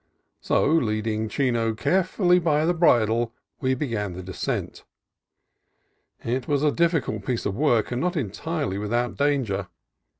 So, leading Chino carefully by the bridle, we began the descent. It was a difficult piece of work, and not entirely with out danger.